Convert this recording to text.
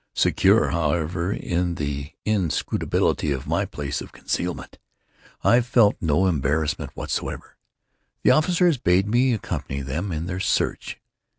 Secure, however, in the inscrutability of my place of concealment, I felt no embarrassment whatever. The officers bade me accompany them in their search.